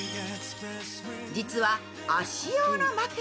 実は足用の枕。